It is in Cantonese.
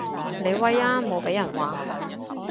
你威啊無被人話